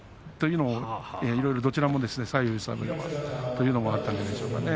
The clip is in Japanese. いろいろどちらもというのもあったんじゃないでしょうか。